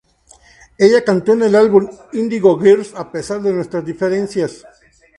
Ella cantó en el álbum "Indigo Girls" a pesar de nuestras diferencias.